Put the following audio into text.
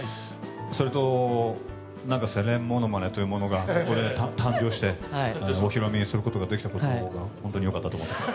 それと永瀬廉モノマネというものがここで誕生してお披露目することができたことが本当によかったと思ってます